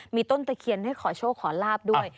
มีต้นตะเคียนให้ขอโชคขอลาบด้วย